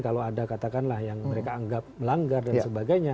kalau ada katakanlah yang mereka anggap melanggar dan sebagainya